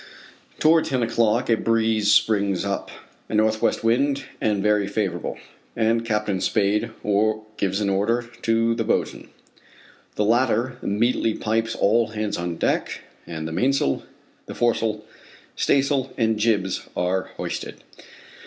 Toward ten o'clock a breeze springs up a northwest wind and very favorable and Captain Spade gives an order to the boatswain. The latter immediately pipes all hands on deck, and the mainsail, the foresail, staysail and jibs are hoisted.